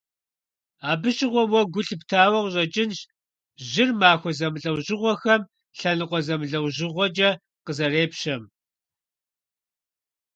Абы щыгъуэ уэ гу лъыптауэ къыщӀэкӀынщ жьыр махуэ зэмылӀэужьыгъуэхэм лъэныкъуэ зэмылӀэужьыгъуэкӀэ къызэрепщэм.